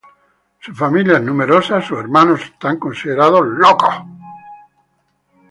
Su familia es numerosa, sus hermanas son consideradas locas.